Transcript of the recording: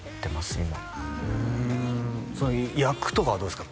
今役とかはどうですか？